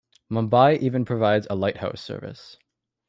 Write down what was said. Mumbai even provides a lighthouse service.